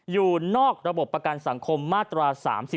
อยู่นอกระบบประกันสังคมมาตรา๓๔